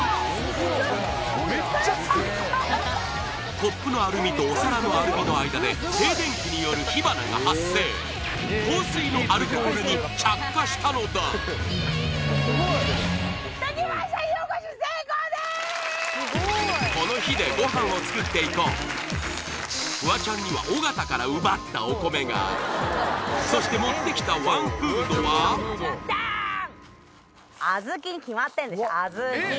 コップのアルミとお皿のアルミの間で静電気による火花が発生香水のアルコールに着火したのだこの火でご飯を作っていこうフワちゃんには尾形から奪ったお米があるそしてダーン！